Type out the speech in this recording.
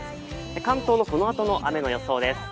関東のこのあとの雨の予想です。